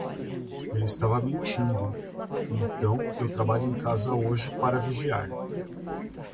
Ele estava mentindo, então eu trabalho em casa hoje para vigiar.